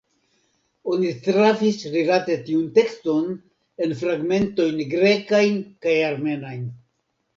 Oni trafis, rilate tiun tekston, en fragmentojn grekajn kaj armenajn.